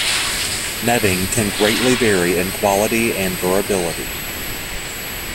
Netting can greatly vary in quality and durability.